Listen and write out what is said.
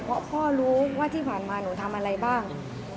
เพราะพ่อรู้ว่าที่ผ่านมาหนูทำอะไรบ้าง